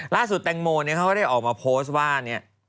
ล่าสุดแตงโมเนี่ยเขาก็ได้ออกมาโพสต์ว่าเนี่ย